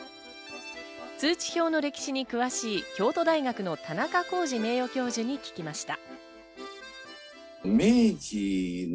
通知表の歴史に詳しい京都大学の田中耕治名誉教授に聞きました。